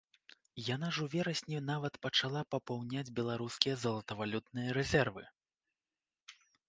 Яна ж у верасні нават пачала папаўняць беларускія золатавалютныя рэзервы!